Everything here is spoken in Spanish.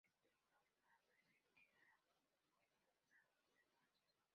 Este formato es el que se ha venido usando desde entonces.